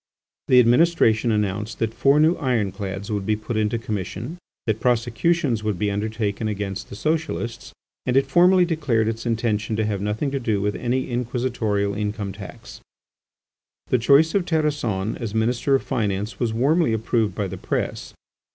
The administration announced that four new ironclads would be put into commission, that prosecutions would be undertaken against the Socialists, and it formally declared its intention to have nothing to do with any inquisitorial income tax. The choice of Terrasson as Minister of Finance was warmly approved by the press.